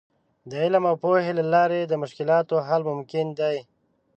د علم او پوهې له لارې د مشکلاتو حل ممکن دی.